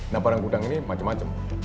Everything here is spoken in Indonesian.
nah barang gudang ini macam macam